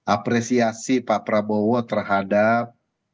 apresiasi pak prabowo terhadap